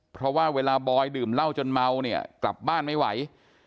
เพราะว่าเวลาบอยดื่มเหล้าจนเมาเนี่ยกลับบ้านไม่ไหว